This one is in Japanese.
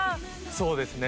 そうですね。